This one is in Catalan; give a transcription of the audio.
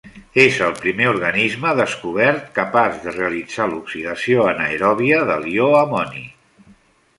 És el primer organisme descobert capaç de realitzar l'oxidació anaeròbia de l'ió amoni.